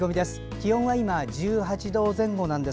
気温は今、１９度前後です。